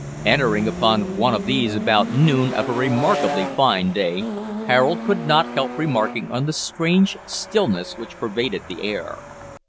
Entering upon one of these about noon of a remarkably fine day, Harold could not help remarking on the strange stillness which pervaded the air.